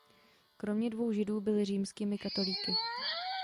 Kromě dvou židů byli římskými katolíky.